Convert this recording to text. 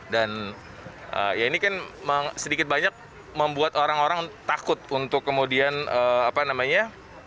dan ya ini kan sedikit banyak membuat orang orang takut untuk kemudian apa namanya